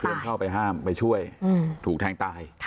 เข้าไปห้ามไปช่วยถูกแทงตาย